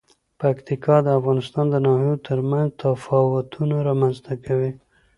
پکتیکا د افغانستان د ناحیو ترمنځ تفاوتونه رامنځ ته کوي.